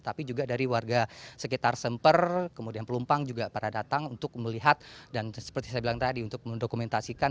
tapi juga dari warga sekitar semper kemudian pelumpang juga pada datang untuk melihat dan seperti saya bilang tadi untuk mendokumentasikan